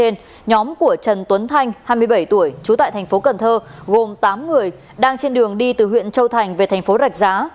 nhóm của trần tuấn thanh hai mươi bảy tuổi trú tại thành phố cần thơ gồm tám người đang trên đường đi từ huyện châu thành về thành phố rạch giá